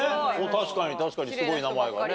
確かに確かにすごい名前がね。